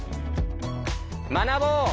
学ぼう！